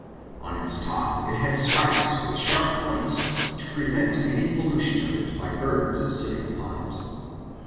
On its top it had spikes with sharp points, to prevent any pollution of it by birds sitting upon it.